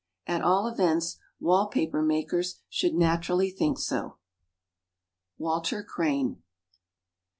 At all events, wall paper makers should naturally think so. WALTER CRANE.